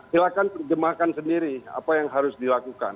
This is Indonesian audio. silahkan terjemahkan sendiri apa yang harus dilakukan